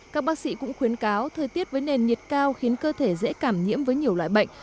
các bác sĩ cũng khuyến cáo thời tiết với nền nhiệt cao khiến cơ thể dễ cảm nhiễm với nhiều loại bệnh